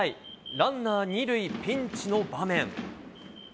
ランナー２塁ピンチの場面。